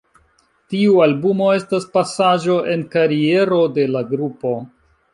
Tiu albumo estas pasaĵo en kariero de la grupo.